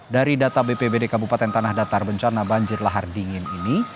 dari data bpbd kabupaten tanah datar bencana banjir lahar dingin ini